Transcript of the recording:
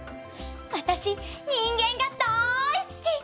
私人間がだい好き！